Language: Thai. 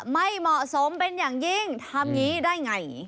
ไม่เหมาะสมเป็นอย่างยิ่งทำอย่างนี้ได้ไง